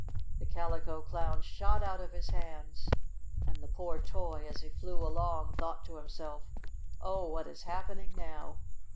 The Calico Clown shot out of his hands, and the poor toy, as he flew along, thought to himself: "Oh, what is happening now!"